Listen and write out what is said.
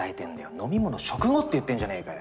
飲み物食後って言ってんじゃねえかよ。